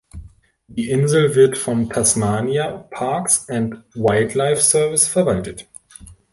Die Insel wird vom Tasmania Parks and Wildlife Service verwaltet.